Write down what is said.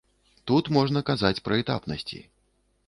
Тут можна казаць пра этапнасці.